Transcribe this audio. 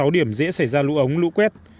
một trăm ba mươi sáu điểm dễ xảy ra lũ ống lũ quét